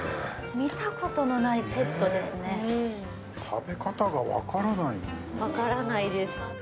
見たことのないセットですねわからないです